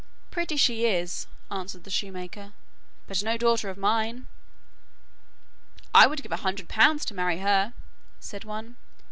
'Pretty she is,' answered the shoemaker, 'but no daughter of mine.' 'I would give a hundred pounds to marry her,' said one.